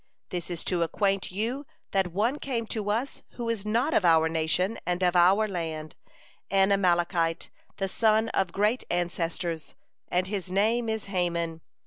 This is to acquaint you that one came to us who is not of our nation and of our land, an Amalekite, the son of great ancestors, and his name is Haman.